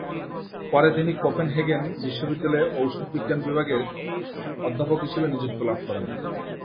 পরে তিনি কোপেনহেগেন বিশ্ববিদ্যালয়ে ঔষধ বিজ্ঞান বিভাগের অধ্যাপক হিসাবে নিযুক্তি লাভ করেন।